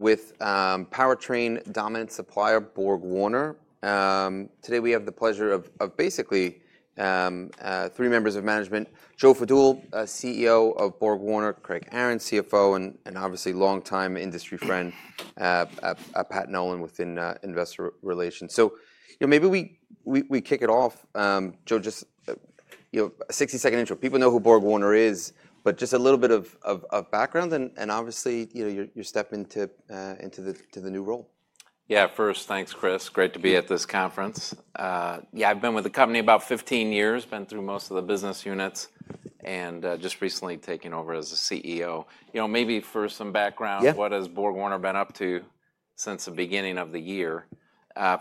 With powertrain dominant supplier, BorgWarner. Today we have the pleasure of basically three members of management: Joe Fadool, CEO of BorgWarner; Craig Aaron, CFO; and obviously longtime industry friend, Pat Nolan within investor relations. You know, maybe we kick it off, Joe, just a 60-second intro. People know who BorgWarner is, but just a little bit of background, and obviously, you know, you're stepping into the new role. Yeah, first, thanks, Chris. Great to be at this conference. Yeah, I've been with the company about 15 years, been through most of the business units, and just recently taken over as CEO. You know, maybe for some background. Yeah. What has BorgWarner been up to since the beginning of the year?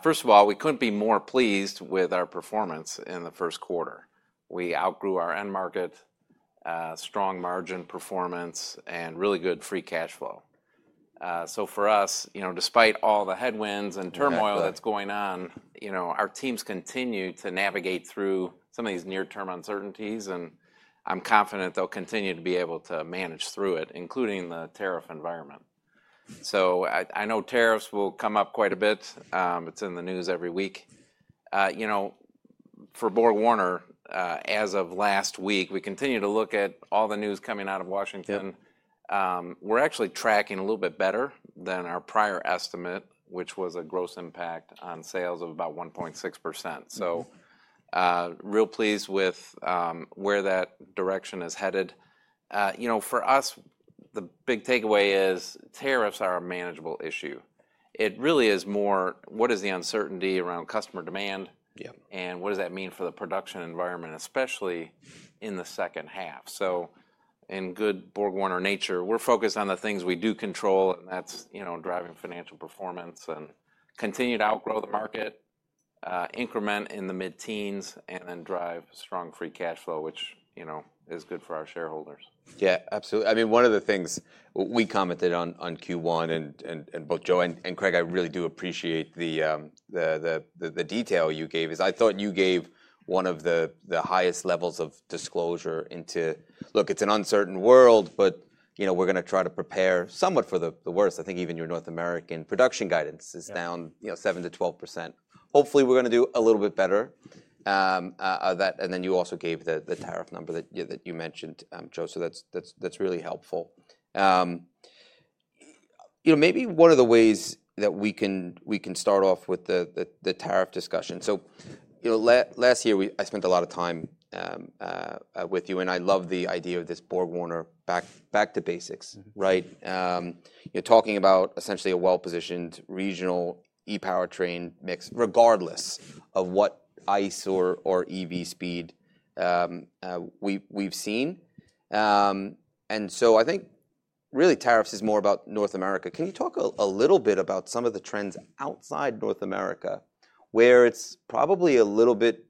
First of all, we could not be more pleased with our performance in the first quarter. We outgrew our end market, strong margin performance, and really good free cash flow. For us, you know, despite all the headwinds and turmoil that is going on, you know, our teams continue to navigate through some of these near-term uncertainties, and I am confident they will continue to be able to manage through it, including the tariff environment. I know tariffs will come up quite a bit. It is in the news every week. You know, for BorgWarner, as of last week, we continue to look at all the news coming out of Washington. Yeah. We're actually tracking a little bit better than our prior estimate, which was a gross impact on sales of about 1.6%. So, real pleased with where that direction is headed. You know, for us, the big takeaway is tariffs are a manageable issue. It really is more what is the uncertainty around customer demand. Yeah. What does that mean for the production environment, especially in the second half? In good BorgWarner nature, we're focused on the things we do control, and that's, you know, driving financial performance and continued outgrowth market, increment in the mid-teens, and then drive strong free cash flow, which, you know, is good for our shareholders. Yeah, absolutely. I mean, one of the things we commented on, on Q1, and both Joe and Craig, I really do appreciate the detail you gave is I thought you gave one of the highest levels of disclosure into, look, it's an uncertain world, but, you know, we're gonna try to prepare somewhat for the worst. I think even your North American production guidance is down 7-12%. Hopefully, we're gonna do a little bit better, that, and then you also gave the tariff number that you mentioned, Joe, so that's really helpful. You know, maybe one of the ways that we can start off with the tariff discussion. You know, last year, we, I spent a lot of time with you, and I love the idea of this BorgWarner back to basics, right? You know, talking about essentially a well-positioned regional ePowerTrain mix, regardless of what ICE or EV speed we've seen. I think really tariffs is more about North America. Can you talk a little bit about some of the trends outside North America where it's probably a little bit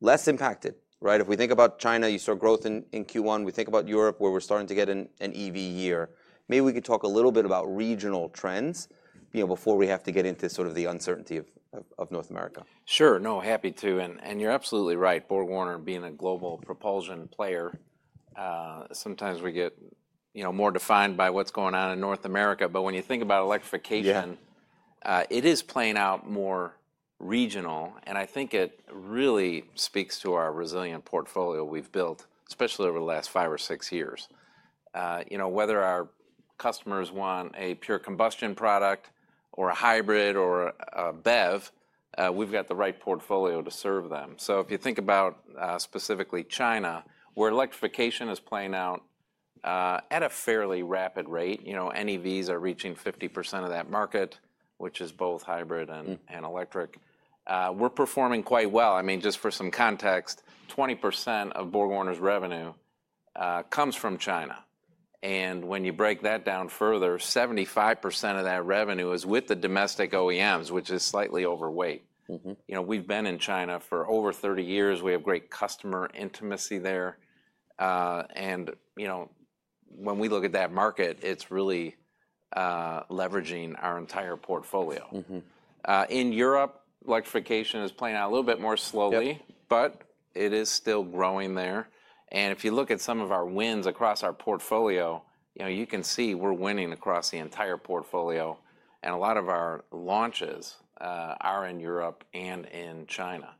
less impacted, right? If we think about China, you saw growth in Q1. We think about Europe, where we're starting to get an EV year. Maybe we could talk a little bit about regional trends, you know, before we have to get into sort of the uncertainty of North America. Sure, no, happy to. And you're absolutely right, BorgWarner being a global propulsion player. Sometimes we get, you know, more defined by what's going on in North America, but when you think about electrification. Yeah. It is playing out more regional, and I think it really speaks to our resilient portfolio we have built, especially over the last five or six years. You know, whether our customers want a pure combustion product or a hybrid or a, a BEV, we have got the right portfolio to serve them. If you think about, specifically China, where electrification is playing out at a fairly rapid rate, you know, NEVs are reaching 50% of that market, which is both hybrid and electric. We are performing quite well. I mean, just for some context, 20% of BorgWarner's revenue comes from China. And when you break that down further, 75% of that revenue is with the domestic OEMs, which is slightly overweight. Mm-hmm. You know, we've been in China for over 30 years. We have great customer intimacy there, and, you know, when we look at that market, it's really leveraging our entire portfolio. Mm-hmm. In Europe, electrification is playing out a little bit more slowly. Yeah. It is still growing there. And if you look at some of our wins across our portfolio, you know, you can see we're winning across the entire portfolio, and a lot of our launches are in Europe and in China.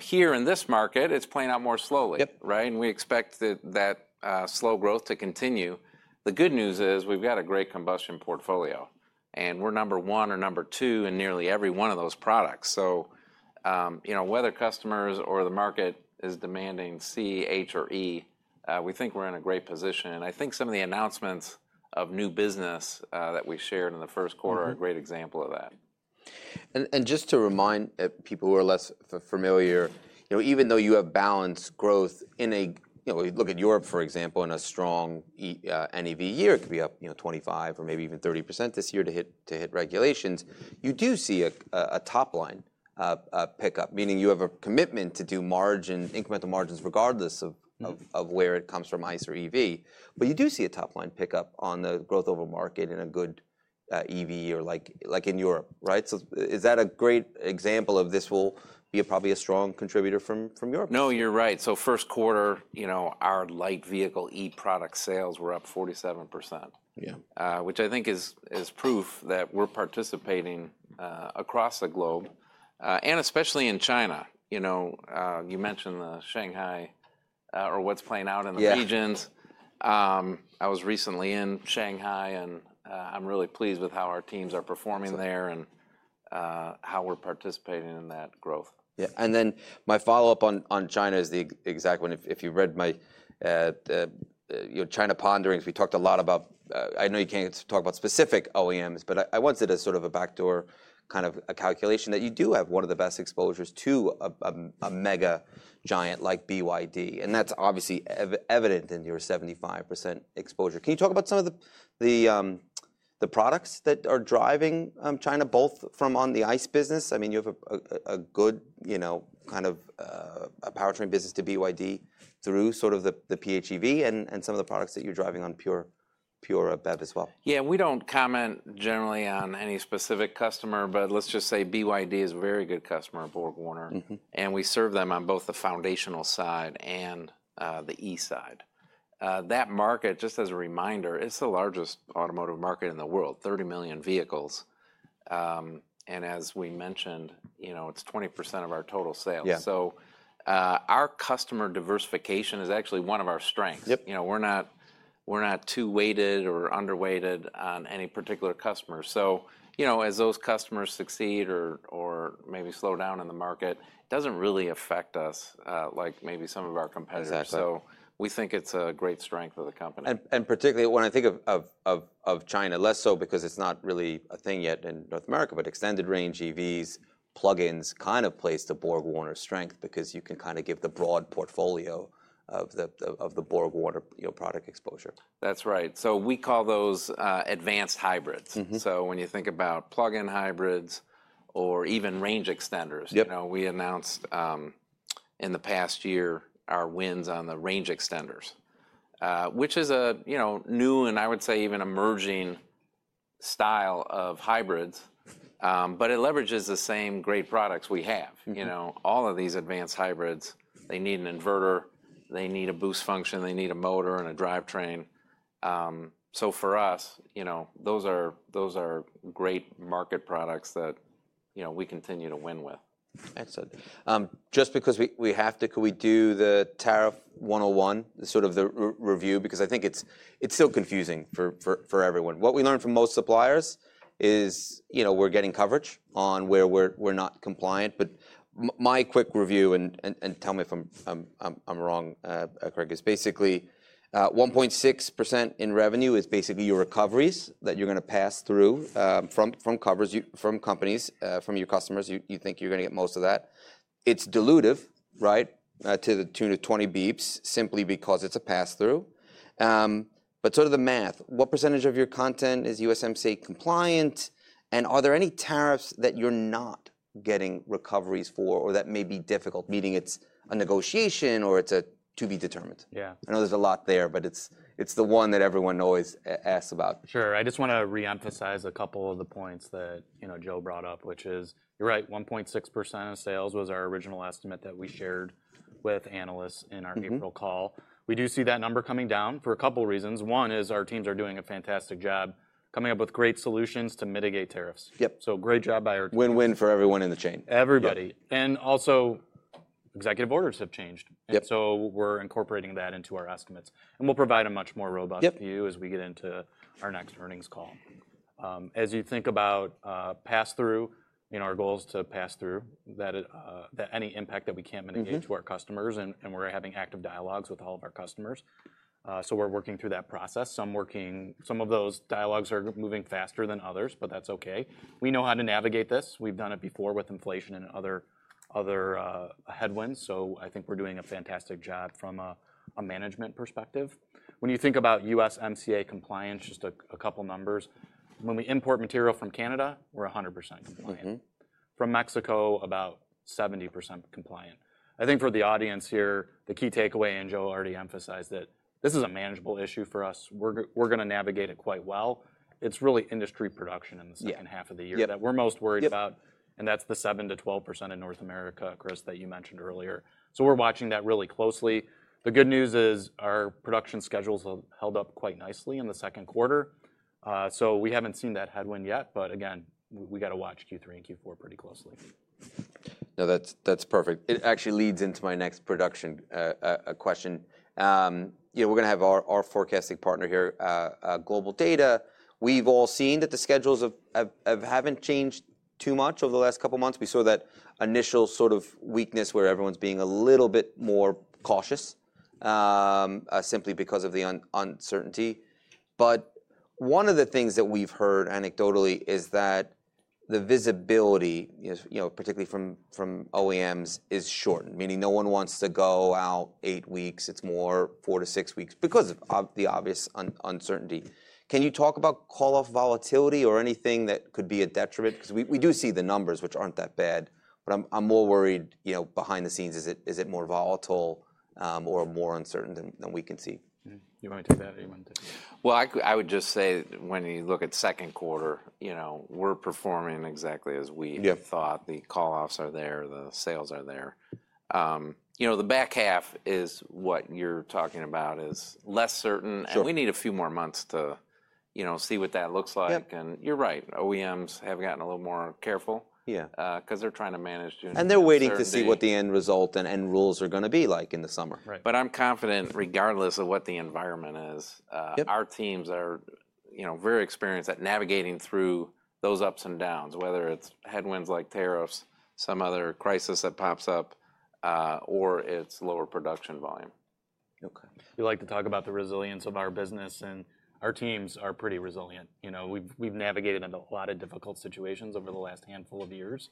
Here in this market, it's playing out more slowly. Yep. Right? And we expect that slow growth to continue. The good news is we've got a great combustion portfolio, and we're number one or number two in nearly every one of those products. So, you know, whether customers or the market is demanding C, H, or E, we think we're in a great position. I think some of the announcements of new business that we shared in the first quarter are a great example of that. Just to remind people who are less familiar, you know, even though you have balanced growth in a, you know, we look at Europe, for example, in a strong E, NEV year, it could be up 25% or maybe even 30% this year to hit regulations, you do see a topline pickup, meaning you have a commitment to do incremental margins regardless of where it comes from ICE or EV. You do see a topline pickup on the growth over market in a good EV or like, like in Europe, right? Is that a great example of this will be a, probably a strong contributor from Europe? No, you're right. First quarter, you know, our light vehicle e-product sales were up 47%. Yeah. which I think is, is proof that we're participating across the globe, and especially in China. You know, you mentioned the Shanghai, or what's playing out in the regions. Yeah. I was recently in Shanghai, and I'm really pleased with how our teams are performing there. Sure. How we're participating in that growth. Yeah. And then my follow-up on China is the exact one. If you read my, you know, China ponderings, we talked a lot about, I know you can't talk about specific OEMs, but I once did a sort of a backdoor kind of a calculation that you do have one of the best exposures to a mega giant like BYD, and that's obviously evident in your 75% exposure. Can you talk about some of the products that are driving China, both from on the ICE business? I mean, you have a good, you know, kind of a powertrain business to BYD through sort of the PHEV and some of the products that you're driving on pure, pure BEV as well. Yeah, we don't comment generally on any specific customer, but let's just say BYD is a very good customer of BorgWarner. Mm-hmm. We serve them on both the foundational side and the e-side. That market, just as a reminder, is the largest automotive market in the world, 30 million vehicles. And as we mentioned, you know, it's 20% of our total sales. Yeah. Our customer diversification is actually one of our strengths. Yep. You know, we're not too weighted or underweighted on any particular customer. So, you know, as those customers succeed or maybe slow down in the market, it doesn't really affect us, like maybe some of our competitors. Exactly. We think it's a great strength of the company. And particularly when I think of China, less so because it's not really a thing yet in North America, but extended range EVs, plug-ins kind of plays to BorgWarner's strength because you can kind of give the broad portfolio of the BorgWarner, you know, product exposure. That's right. We call those advanced hybrids. Mm-hmm. When you think about plug-in hybrids or even range extenders. Yep. You know, we announced, in the past year, our wins on the range extenders, which is a, you know, new and I would say even emerging style of hybrids, but it leverages the same great products we have. Mm-hmm. You know, all of these advanced hybrids, they need an inverter, they need a boost function, they need a motor and a drivetrain. For us, you know, those are great market products that, you know, we continue to win with. Excellent. Just because we have to, could we do the tariff 101, sort of the review, because I think it's still confusing for everyone. What we learned from most suppliers is, you know, we're getting coverage on where we're not compliant. My quick review, and tell me if I'm wrong, Craig, is basically, 1.6% in revenue is basically your recoveries that you're gonna pass through from covers you, from companies, from your customers. You think you're gonna get most of that. It's dilutive, right, to the tune of 20 basis points simply because it's a pass-through. The math, what percentage of your content is USMCA compliant, and are there any tariffs that you're not getting recoveries for or that may be difficult, meaning it's a negotiation or it's a to be determined? Yeah. I know there's a lot there, but it's the one that everyone always asks about. Sure. I just wanna reemphasize a couple of the points that, you know, Joe brought up, which is you're right, 1.6% of sales was our original estimate that we shared with analysts in our April call. We do see that number coming down for a couple reasons. One is our teams are doing a fantastic job coming up with great solutions to mitigate tariffs. Yep. Great job by our teams. Win-win for everyone in the chain. Everybody. Also, executive orders have changed. Yep. We're incorporating that into our estimates. We'll provide a much more robust. Yep. View as we get into our next earnings call. As you think about pass-through, you know, our goal is to pass through that, that any impact that we can't mitigate to our customers, and we're having active dialogues with all of our customers. We're working through that process. Some of those dialogues are moving faster than others, but that's okay. We know how to navigate this. We've done it before with inflation and other headwinds. I think we're doing a fantastic job from a management perspective. When you think about USMCA compliance, just a couple numbers, when we import material from Canada, we're 100% compliant. Mm-hmm. From Mexico, about 70% compliant. I think for the audience here, the key takeaway, and Joe already emphasized that this is a manageable issue for us. We're gonna navigate it quite well. It's really industry production in the second half of the year. Yeah. That we're most worried about. Yep. That's the 7-12% in North America, Chris, that you mentioned earlier. We are watching that really closely. The good news is our production schedules held up quite nicely in the second quarter. We have not seen that headwind yet, but again, we gotta watch Q3 and Q4 pretty closely. No, that's perfect. It actually leads into my next production question. You know, we're gonna have our forecasting partner here, GlobalData. We've all seen that the schedules haven't changed too much over the last couple months. We saw that initial sort of weakness where everyone's being a little bit more cautious, simply because of the uncertainty. One of the things that we've heard anecdotally is that the visibility, you know, particularly from OEMs, is shortened, meaning no one wants to go out eight weeks. It's more four to six weeks because of the obvious uncertainty. Can you talk about call-off volatility or anything that could be a detriment? 'Cause we do see the numbers, which aren't that bad, but I'm, I'm more worried, you know, behind the scenes, is it, is it more volatile, or more uncertain than, than we can see? Mm-hmm. You wanna take that or you wanna take that? I would just say when you look at second quarter, you know, we're performing exactly as we. Yep. Thought. The call-offs are there. The sales are there. You know, the back half is what you're talking about is less certain. Sure. We need a few more months to, you know, see what that looks like. Yep. You're right, OEMs have gotten a little more careful. Yeah. 'Cause they're trying to manage to. They're waiting to see what the end result and rules are gonna be like in the summer. Right. I am confident regardless of what the environment is. Yep. Our teams are, you know, very experienced at navigating through those ups and downs, whether it's headwinds like tariffs, some other crisis that pops up, or it's lower production volume. Okay. We like to talk about the resilience of our business, and our teams are pretty resilient. You know, we've navigated into a lot of difficult situations over the last handful of years.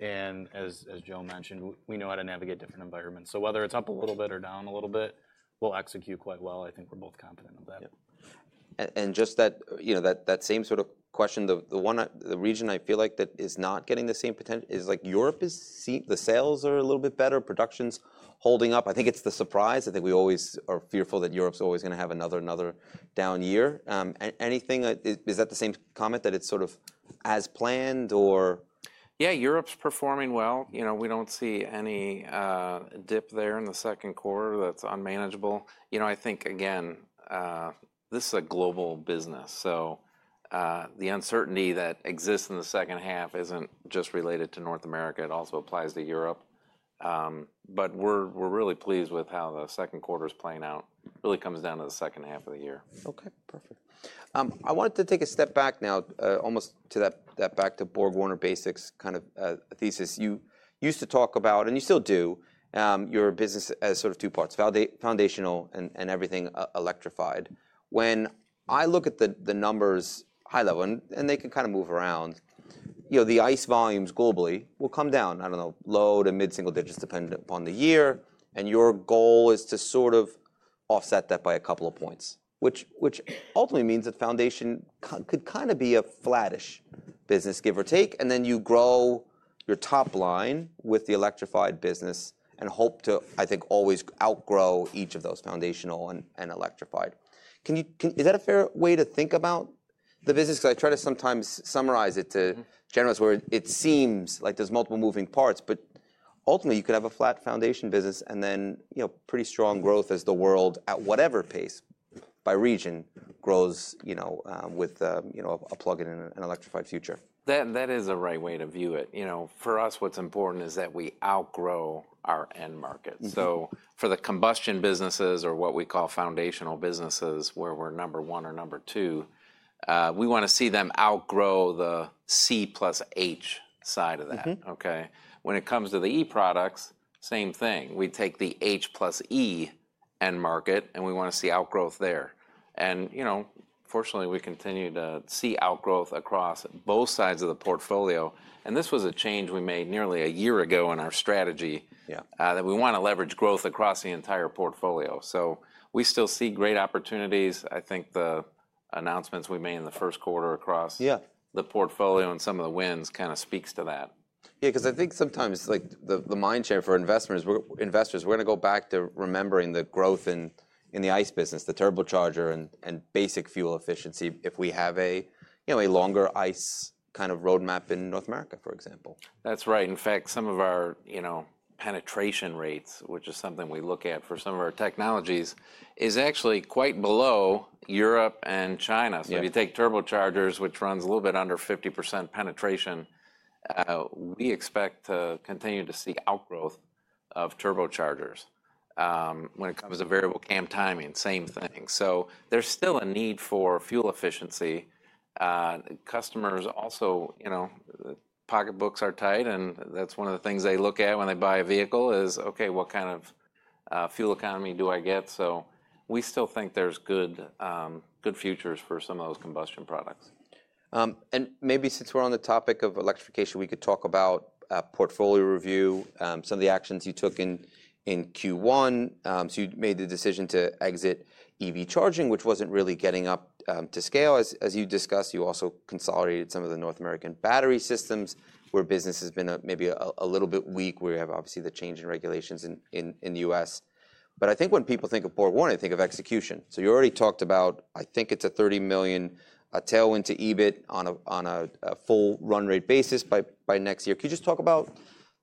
As Joe mentioned, we know how to navigate different environments. Whether it's up a little bit or down a little bit, we'll execute quite well. I think we're both confident of that. Yep. And just that, you know, that same sort of question, the one I, the reason I feel like that is not getting the same potent is like Europe is, see the sales are a little bit better, production's holding up. I think it's the surprise. I think we always are fearful that Europe's always gonna have another, another down year. Anything, is that the same comment that it's sort of as planned or? Yeah, Europe's performing well. You know, we don't see any dip there in the second quarter that's unmanageable. You know, I think, again, this is a global business. The uncertainty that exists in the second half isn't just related to North America. It also applies to Europe. We're really pleased with how the second quarter's playing out. It really comes down to the second half of the year. Okay. Perfect. I wanted to take a step back now, almost to that, that back to BorgWarner basics kind of thesis. You used to talk about, and you still do, your business as sort of two parts, foundational and, and everything electrified. When I look at the numbers high level, and they can kind of move around, you know, the ICE volumes globally will come down, I don't know, low to mid-single digits depending upon the year. And your goal is to sort of offset that by a couple of points, which ultimately means that foundation could kind of be a flattish business, give or take. And then you grow your topline with the electrified business and hope to, I think, always outgrow each of those foundational and electrified. Can you, is that a fair way to think about the business? 'Cause I try to sometimes summarize it too. Mm-hmm. Generous where it seems like there's multiple moving parts, but ultimately you could have a flat foundation business and then, you know, pretty strong growth as the world at whatever pace by region grows, you know, with, you know, a plug-in and an electrified future. That is a right way to view it. You know, for us, what's important is that we outgrow our end markets. Mm-hmm. For the combustion businesses or what we call foundational businesses where we're number one or number two, we wanna see them outgrow the C plus H side of that. Mm-hmm. Okay? When it comes to the e-products, same thing. We take the H plus E end market, and we wanna see outgrowth there. You know, fortunately, we continue to see outgrowth across both sides of the portfolio. This was a change we made nearly a year ago in our strategy. Yeah. that we wanna leverage growth across the entire portfolio. We still see great opportunities. I think the announcements we made in the first quarter across. Yeah. The portfolio and some of the wins kind of speaks to that. Yeah, 'cause I think sometimes, like, the mind share for investors, we're investors, we're gonna go back to remembering the growth in the ICE business, the turbocharger and basic fuel efficiency if we have a, you know, a longer ICE kind of roadmap in North America, for example. That's right. In fact, some of our, you know, penetration rates, which is something we look at for some of our technologies, is actually quite below Europe and China. Yeah. If you take turbochargers, which runs a little bit under 50% penetration, we expect to continue to see outgrowth of turbochargers. When it comes to variable cam timing, same thing. There is still a need for fuel efficiency. Customers also, you know, pocketbooks are tight, and that's one of the things they look at when they buy a vehicle is, okay, what kind of fuel economy do I get? We still think there are good futures for some of those combustion products. And maybe since we're on the topic of electrification, we could talk about portfolio review, some of the actions you took in Q1. You made the decision to exit EV charging, which was not really getting up to scale. As you discussed, you also consolidated some of the North American battery systems where business has been maybe a little bit weak where you have obviously the change in regulations in the U.S. I think when people think of BorgWarner, they think of execution. You already talked about, I think it is a $30 million tailwind to EBIT on a full run rate basis by next year. Could you just talk about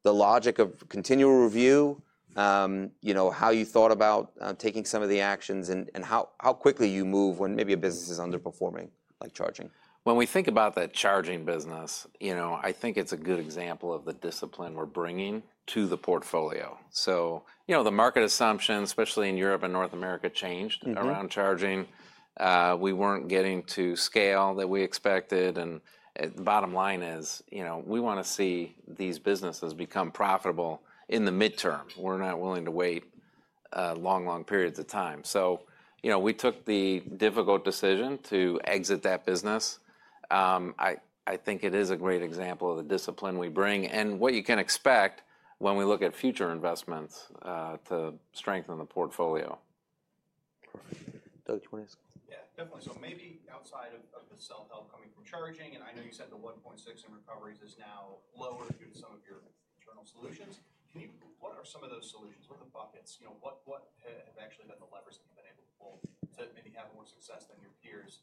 the logic of continual review, you know, how you thought about taking some of the actions, and how quickly you move when maybe a business is underperforming like charging? When we think about that charging business, you know, I think it's a good example of the discipline we're bringing to the portfolio. You know, the market assumptions, especially in Europe and North America, changed. Mm-hmm. Around charging, we were not getting to scale that we expected. The bottom line is, you know, we want to see these businesses become profitable in the midterm. We are not willing to wait long, long periods of time. You know, we took the difficult decision to exit that business. I think it is a great example of the discipline we bring and what you can expect when we look at future investments to strengthen the portfolio. Perfect. Doug, do you wanna ask? Yeah, definitely. Maybe outside of the sell-out coming from charging, and I know you said the $1.6 million in recoveries is now lower due to some of your internal solutions. Can you, what are some of those solutions? What are the buckets? You know, what have actually been the levers that you've been able to pull to maybe have more success than your peers,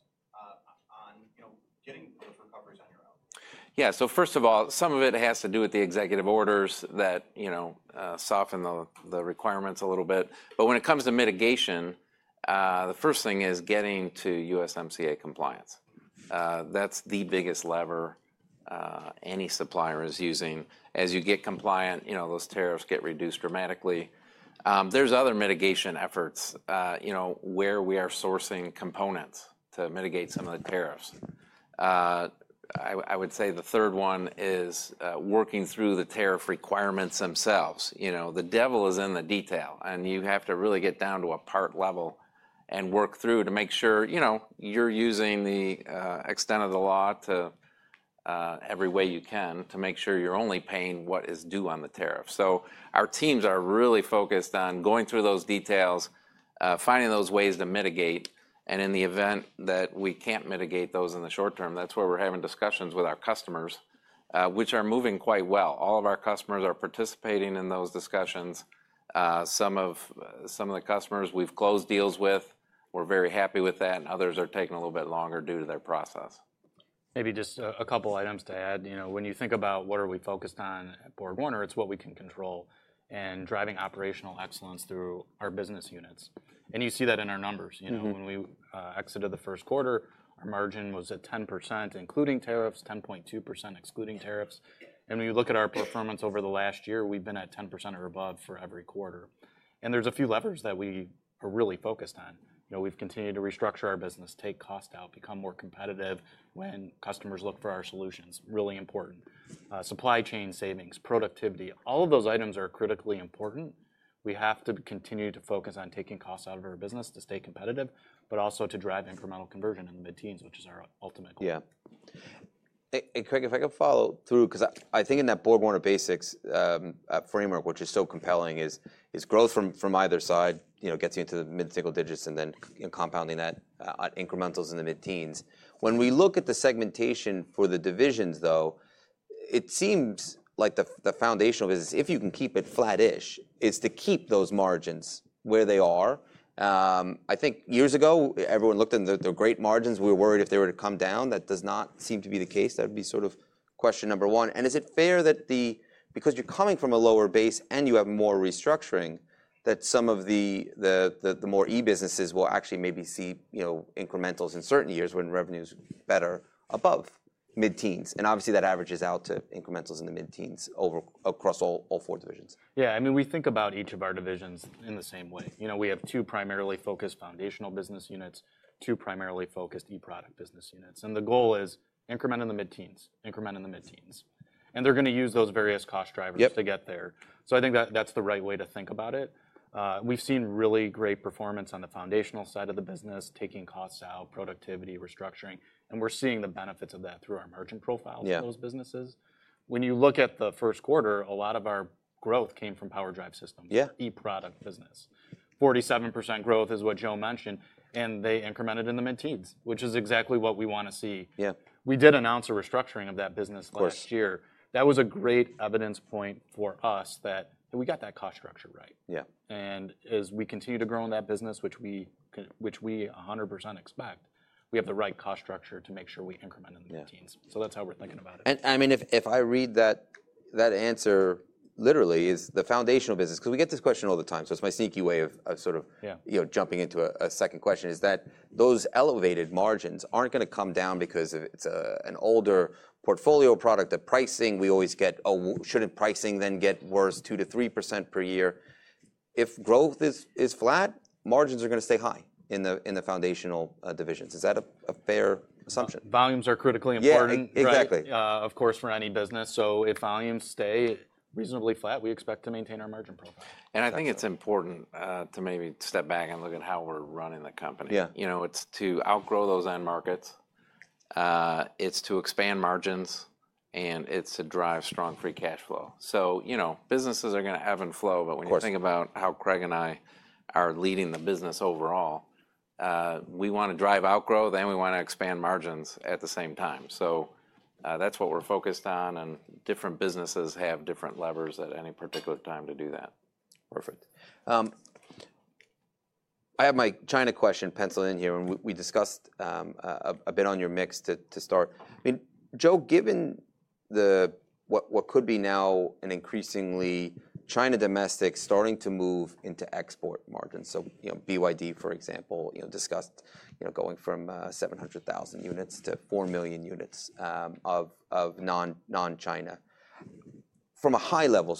on, you know, getting those recoveries on your own? Yeah. First of all, some of it has to do with the executive orders that, you know, soften the requirements a little bit. When it comes to mitigation, the first thing is getting to USMCA compliance. That's the biggest lever any supplier is using. As you get compliant, you know, those tariffs get reduced dramatically. There are other mitigation efforts, you know, where we are sourcing components to mitigate some of the tariffs. I would say the third one is working through the tariff requirements themselves. You know, the devil is in the detail, and you have to really get down to a part level and work through to make sure, you know, you're using the extent of the law in every way you can to make sure you're only paying what is due on the tariff. Our teams are really focused on going through those details, finding those ways to mitigate. In the event that we can't mitigate those in the short term, that's where we're having discussions with our customers, which are moving quite well. All of our customers are participating in those discussions. Some of the customers we've closed deals with, we're very happy with that, and others are taking a little bit longer due to their process. Maybe just a couple items to add. You know, when you think about what are we focused on at BorgWarner, it's what we can control and driving operational excellence through our business units. And you see that in our numbers. Mm-hmm. You know, when we exited the first quarter, our margin was at 10% including tariffs, 10.2% excluding tariffs. When you look at our performance over the last year, we've been at 10% or above for every quarter. There are a few levers that we are really focused on. You know, we've continued to restructure our business, take cost out, become more competitive when customers look for our solutions. Really important. Supply chain savings, productivity, all of those items are critically important. We have to continue to focus on taking costs out of our business to stay competitive, but also to drive incremental conversion in the mid-teens, which is our ultimate goal. Yeah. And Craig, if I could follow through, 'cause I, I think in that BorgWarner basics, framework, which is so compelling, is, is growth from, from either side, you know, gets you into the mid-single digits and then, you know, compounding that, on incrementals in the mid-teens. When we look at the segmentation for the divisions, though, it seems like the, the foundational business, if you can keep it flattish, is to keep those margins where they are. I think years ago, everyone looked at the, the great margins. We were worried if they were to come down. That does not seem to be the case. That would be sort of question number one. Is it fair that, because you're coming from a lower base and you have more restructuring, that some of the more e-businesses will actually maybe see, you know, incrementals in certain years when revenue's better above mid-teens? Obviously that averages out to incrementals in the mid-teens across all four divisions. Yeah. I mean, we think about each of our divisions in the same way. You know, we have two primarily focused foundational business units, two primarily focused e-product business units. The goal is increment in the mid-teens, increment in the mid-teens. They're gonna use those various cost drivers. Yep. To get there. I think that that's the right way to think about it. We've seen really great performance on the foundational side of the business, taking costs out, productivity, restructuring, and we're seeing the benefits of that through our margin profiles. Yeah. For those businesses. When you look at the first quarter, a lot of our growth came from power drive systems. Yeah. E-product business. 47% growth is what Joe mentioned, and they incremented in the mid-teens, which is exactly what we wanna see. Yeah. We did announce a restructuring of that business last year. Of course. That was a great evidence point for us that we got that cost structure right. Yeah. As we continue to grow in that business, which we can, which we 100% expect, we have the right cost structure to make sure we increment in the mid-teens. Yeah. That's how we're thinking about it. I mean, if I read that, that answer literally is the foundational business, 'cause we get this question all the time. It's my sneaky way of, of sort of. Yeah. You know, jumping into a second question, is that those elevated margins aren't gonna come down because it's an older portfolio product. The pricing, we always get, oh, shouldn't pricing then get worse, 2-3% per year? If growth is flat, margins are gonna stay high in the foundational divisions. Is that a fair assumption? Volumes are critically important. Yeah. Exactly. Of course, for any business. If volumes stay reasonably flat, we expect to maintain our margin profile. I think it's important, to maybe step back and look at how we're running the company. Yeah. You know, it's to outgrow those end markets. It's to expand margins, and it's to drive strong free cash flow. You know, businesses are gonna ebb and flow, but when you think about. Of course. How Craig and I are leading the business overall, we wanna drive outgrowth and we wanna expand margins at the same time. That is what we're focused on. Different businesses have different levers at any particular time to do that. Perfect. I have my China question penciled in here, and we discussed a bit on your mix to start. I mean, Joe, given what could be now an increasingly China domestic starting to move into export margins. You know, BYD, for example, discussed going from 700,000 units to 4 million units of non-China. From a high-level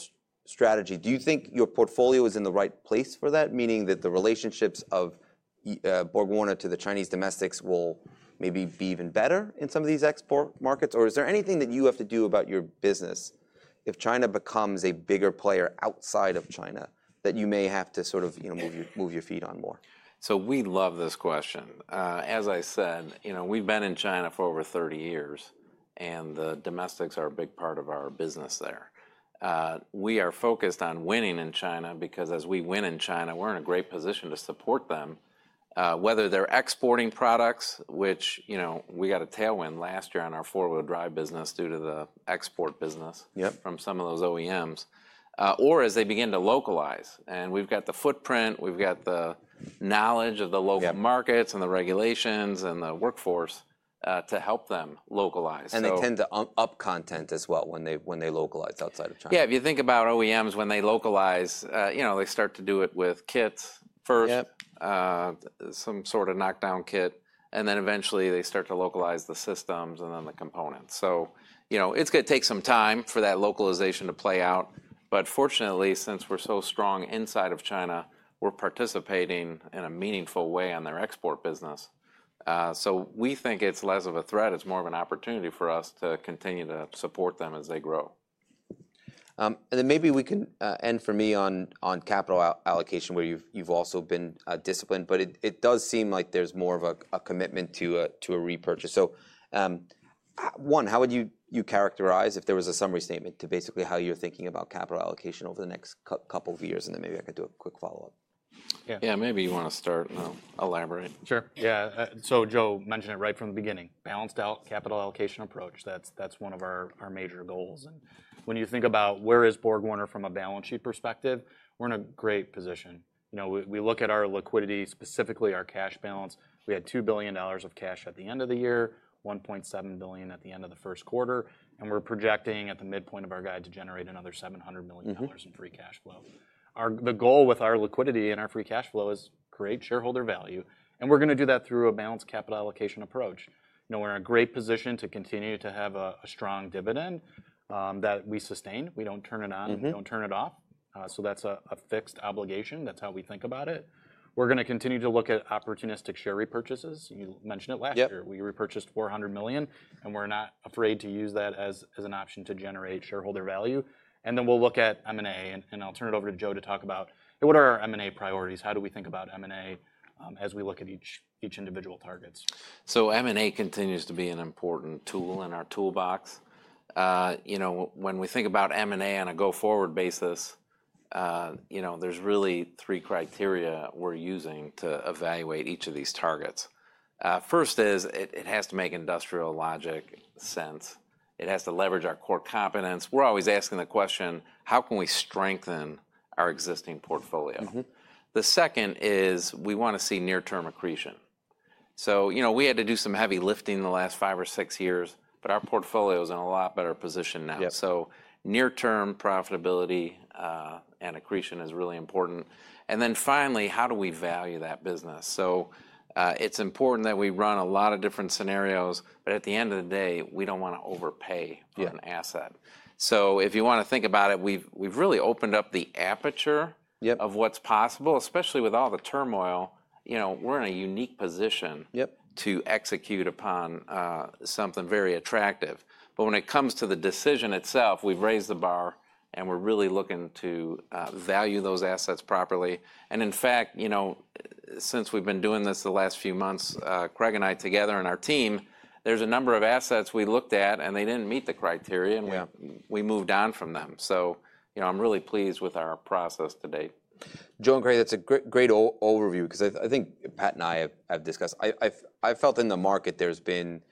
strategy, do you think your portfolio is in the right place for that? Meaning that the relationships of BorgWarner to the Chinese domestics will maybe be even better in some of these export markets? Or is there anything that you have to do about your business if China becomes a bigger player outside of China that you may have to sort of, you know, move your feet on more? We love this question. As I said, you know, we've been in China for over 30 years, and the domestics are a big part of our business there. We are focused on winning in China because as we win in China, we're in a great position to support them, whether they're exporting products, which, you know, we got a tailwind last year on our four-wheel drive business due to the export business. Yep. From some of those OEMs, or as they begin to localize. We have got the footprint, we have got the knowledge of the local markets and the regulations and the workforce, to help them localize. They tend to up content as well when they, when they localize outside of China. Yeah. If you think about OEMs, when they localize, you know, they start to do it with kits first. Yep. Some sort of knockdown kit, and then eventually they start to localize the systems and then the components. So, you know, it's gonna take some time for that localization to play out. But fortunately, since we're so strong inside of China, we're participating in a meaningful way on their export business. So we think it's less of a threat. It's more of an opportunity for us to continue to support them as they grow. and then maybe we can end for me on capital allocation where you've also been disciplined, but it does seem like there's more of a commitment to a repurchase. One, how would you characterize if there was a summary statement to basically how you're thinking about capital allocation over the next couple of years? And then maybe I could do a quick follow-up. Yeah. Yeah. Maybe you wanna start, you know, elaborate. Sure. Yeah. Joe mentioned it right from the beginning, balanced out capital allocation approach. That's one of our major goals. When you think about where is BorgWarner from a balance sheet perspective, we're in a great position. You know, we look at our liquidity, specifically our cash balance. We had $2 billion of cash at the end of the year, $1.7 billion at the end of the first quarter, and we're projecting at the midpoint of our guide to generate another $700 million. Mm-hmm. In free cash flow. The goal with our liquidity and our free cash flow is create shareholder value, and we're gonna do that through a balanced capital allocation approach. You know, we're in a great position to continue to have a strong dividend, that we sustain. We don't turn it on. Mm-hmm. We don't turn it off. So that's a fixed obligation. That's how we think about it. We're gonna continue to look at opportunistic share repurchases. You mentioned it last year. Yeah. We repurchased $400 million, and we're not afraid to use that as an option to generate shareholder value. Then we'll look at M&A, and I'll turn it over to Joe to talk about, hey, what are our M&A priorities? How do we think about M&A, as we look at each individual targets? M&A continues to be an important tool in our toolbox. You know, when we think about M&A on a go-forward basis, you know, there are really three criteria we are using to evaluate each of these targets. First is it has to make industrial logic sense. It has to leverage our core competence. We are always asking the question, how can we strengthen our existing portfolio? Mm-hmm. The second is we wanna see near-term accretion. So, you know, we had to do some heavy lifting the last five or six years, but our portfolio's in a lot better position now. Yep. Near-term profitability and accretion is really important. Then finally, how do we value that business? It is important that we run a lot of different scenarios, but at the end of the day, we do not want to overpay. Yep. On an asset. If you wanna think about it, we've really opened up the aperture. Yep. Of what's possible, especially with all the turmoil. You know, we're in a unique position. Yep. To execute upon, something very attractive. When it comes to the decision itself, we've raised the bar, and we're really looking to value those assets properly. In fact, you know, since we've been doing this the last few months, Craig and I together and our team, there's a number of assets we looked at, and they didn't meet the criteria. Yep. We moved on from them. You know, I'm really pleased with our process today. Joe and Craig, that's a great, great overview 'cause I think Pat and I have discussed. I think in the market there's been,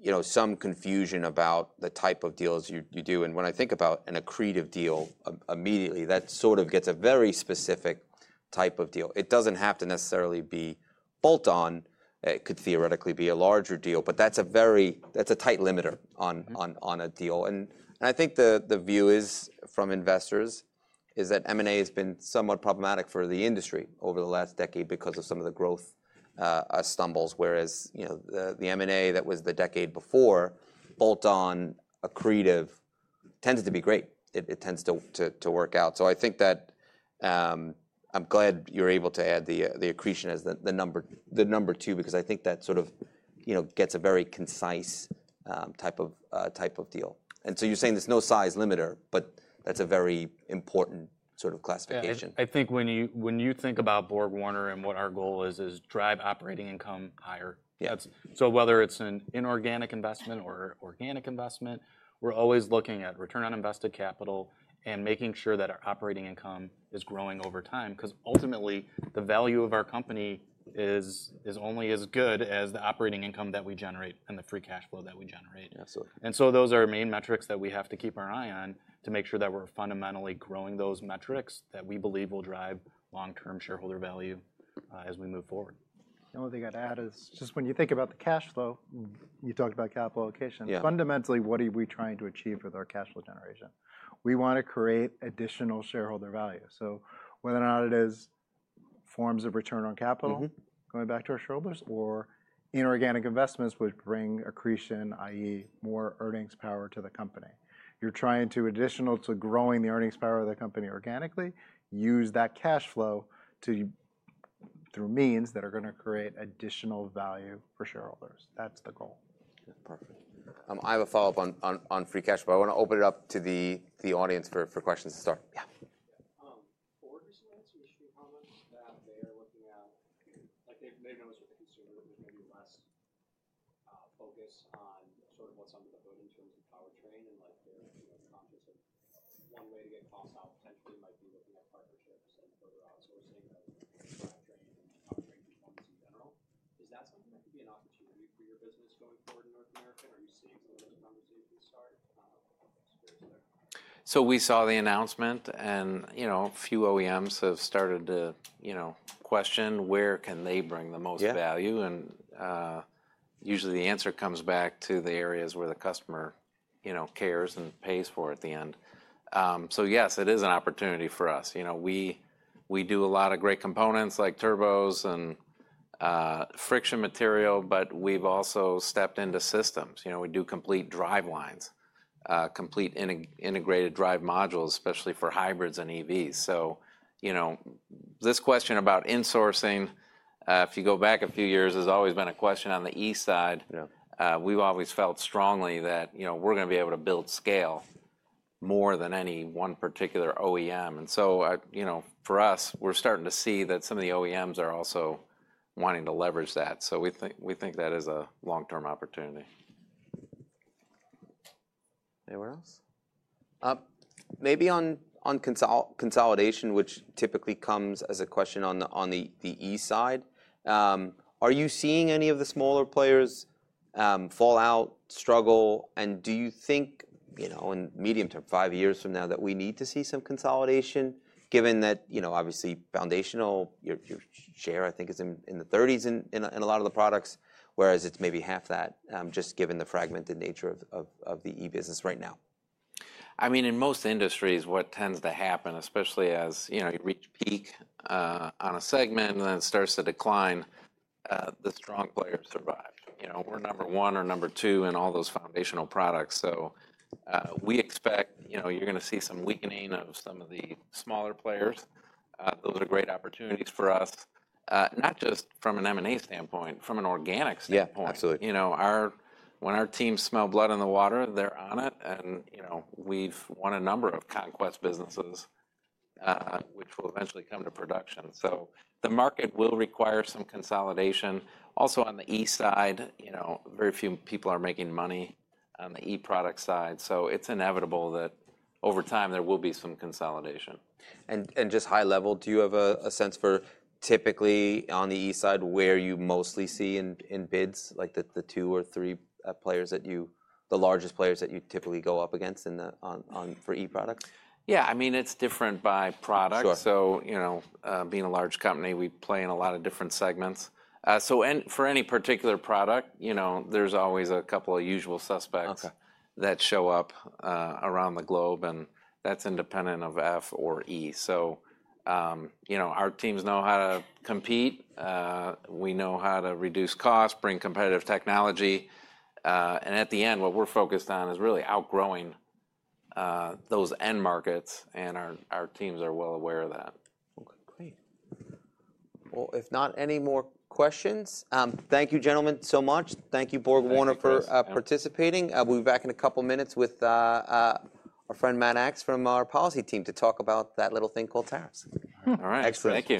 you know, some confusion about the type of deals you do. When I think about an accretive deal, immediately, that sort of gets a very specific type of deal. It doesn't have to necessarily be bolt-on. It could theoretically be a larger deal, but that's a tight limiter on a deal. I think the view from investors is that M&A has been somewhat problematic for the industry over the last decade because of some of the growth stumbles. Whereas, you know, the M&A that was the decade before, bolt-on, accretive, tended to be great. It tends to work out. I think that, I'm glad you're able to add the accretion as the number two because I think that sort of, you know, gets a very concise type of deal. And you're saying there's no size limiter, but that's a very important sort of classification. I think when you, when you think about BorgWarner and what our goal is, is drive operating income higher. Yes. That's, so whether it's an inorganic investment or organic investment, we're always looking at return on invested capital and making sure that our operating income is growing over time 'cause ultimately the value of our company is, is only as good as the operating income that we generate and the free cash flow that we generate. Absolutely. Those are main metrics that we have to keep our eye on to make sure that we're fundamentally growing those metrics that we believe will drive long-term shareholder value, as we move forward. The only thing I'd add is just when you think about the cash flow, you talked about capital allocation. Yes. Fundamentally, what are we trying to achieve with our cash flow generation? We wanna create additional shareholder value. Whether or not it is forms of return on capital. Mm-hmm. Going back to our shareholders or inorganic investments would bring accretion, i.e., more earnings power to the company. You're trying to, additional to growing the earnings power of the company organically, use that cash flow to through means that are gonna create additional value for shareholders. That's the goal. Perfect. I have a follow-up on free cash flow. I wanna open it up to the audience for questions to start. Yeah. BorgWarner's last issue comments that they are looking at, like they've made notice with the consumer, there's maybe less focus on sort of what's under the hood in terms of powertrain and like they're, you know, conscious of one way to get costs out potentially might be looking at partnerships and further outsourcing of drivetrain and powertrain performance in general. Is that something that could be an opportunity for your business going forward in North America? Are you seeing some of those conversations start? Experience there? We saw the announcement, and, you know, a few OEMs have started to, you know, question where can they bring the most value. Yep. Usually the answer comes back to the areas where the customer, you know, cares and pays for at the end. Yes, it is an opportunity for us. You know, we do a lot of great components like turbochargers and friction material, but we've also stepped into systems. You know, we do complete drivetrains, complete integrated drive modules, especially for hybrids and EVs. You know, this question about insourcing, if you go back a few years, has always been a question on the east side. Yeah. We've always felt strongly that, you know, we're gonna be able to build scale more than any one particular OEM. And, you know, for us, we're starting to see that some of the OEMs are also wanting to leverage that. We think, we think that is a long-term opportunity. Anyone else? Maybe on consolidation, which typically comes as a question on the east side. Are you seeing any of the smaller players fall out, struggle? And do you think, you know, in medium term, five years from now, that we need to see some consolidation given that, you know, obviously foundational, your share I think is in the thirties in a lot of the products, whereas it's maybe half that, just given the fragmented nature of the e-business right now? I mean, in most industries, what tends to happen, especially as, you know, you reach peak on a segment and then it starts to decline, the strong players survive. You know, we're number one or number two in all those foundational products. So, we expect, you know, you're gonna see some weakening of some of the smaller players. Those are great opportunities for us, not just from an M&A standpoint, from an organic standpoint. Yeah. Absolutely. You know, our, when our teams smell blood in the water, they're on it. You know, we've won a number of conquest businesses, which will eventually come to production. The market will require some consolidation. Also on the east side, you know, very few people are making money on the e-product side. It is inevitable that over time there will be some consolidation. Do you have a sense for typically on the E side where you mostly see in bids, like the two or three players that you, the largest players that you typically go up against for E-products? Yeah. I mean, it's different by product. Sure. You know, being a large company, we play in a lot of different segments. So for any particular product, you know, there's always a couple of usual suspects. Okay. That show up, around the globe, and that's independent of F or E. You know, our teams know how to compete. We know how to reduce costs, bring competitive technology. At the end, what we're focused on is really outgrowing those end markets, and our teams are well aware of that. Okay. Great. If not any more questions, thank you gentlemen so much. Thank you BorgWarner for participating. We'll be back in a couple minutes with our friend Matt Axe from our policy team to talk about that little thing called tariffs. All right. Excellent.